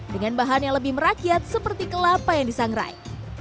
dengan bahan yang lebih merakyat seperti kelapa yang disangrai